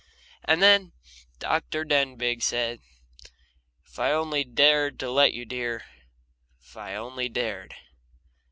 And then Dr. Denbigh said: "If I only dared let you, dear if I only dared."